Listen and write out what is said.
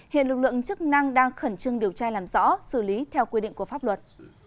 hiện lực lượng chức năng đang khẩn trương điều tra làm rõ xử lý theo quy định của pháp luật